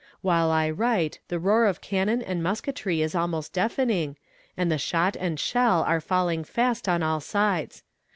While I write the roar of cannon and musketry is almost deafening, and the shot and shell are falling fast on all sides.